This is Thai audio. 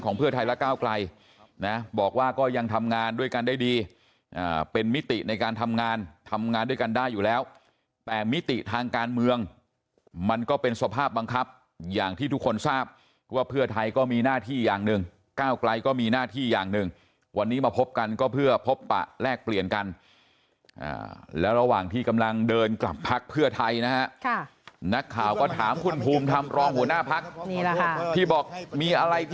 ของเพื่อไทยและก้าวกลัยนะบอกว่าก็ยังทำงานด้วยกันได้ดีเป็นมิติในการทำงานทำงานด้วยกันได้อยู่แล้วแต่มิติทางการเมืองมันก็เป็นสภาพบังคับอย่างที่ทุกคนทราบว่าเพื่อไทยก็มีหน้าที่อย่างหนึ่งก้าวกลัยก็มีหน้าที่อย่างหนึ่งวันนี้มาพบกันก็เพื่อพบปะแลกเปลี่ยนกันแล้วระหว่างที่กำลังเดินกลับพักเพื่อไท